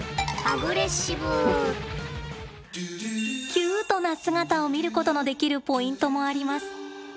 キュートな姿を見ることのできるポイントもあります。